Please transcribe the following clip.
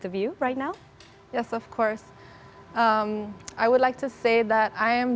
bahwa saya hanya seorang gadis dari ubud